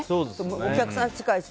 お客さん近いし。